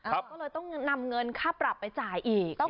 ก็เลยต้องนำเงินค่าปรับไปจ่ายอีก